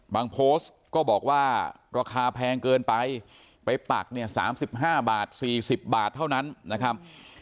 โพสต์ก็บอกว่าราคาแพงเกินไปไปปักเนี่ย๓๕บาท๔๐บาทเท่านั้นนะครับ